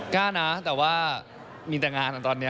กล้านะแต่ว่ามีแต่งานตอนนี้